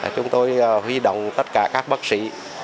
chúng tôi huy động tất cả các bác sĩ